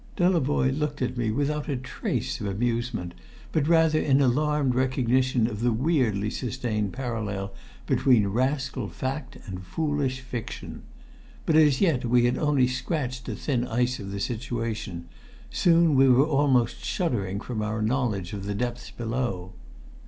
Delavoye looked at me without a trace of amusement, but rather in alarmed recognition of the weirdly sustained parallel between rascal fact and foolish fiction. But as yet we had only scratched the thin ice of the situation; soon we were almost shuddering from our knowledge of the depths below.